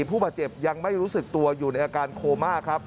ผู้บาดเจ็บยังไม่รู้สึกตัวอยู่ในอาการโคม่าครับ